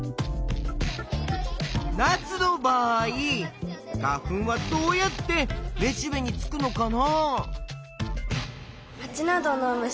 ナスの場合花粉はどうやってめしべにつくのかな？